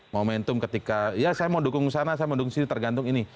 momentum ketika ya saya mau dukung sana saya mendukung sini tergantung ini